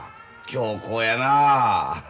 強硬やな。